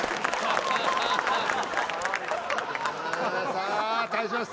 さあ対します